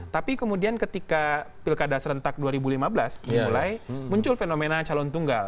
tapi kemudian ketika pilkada serentak dua ribu lima belas dimulai muncul fenomena calon tunggal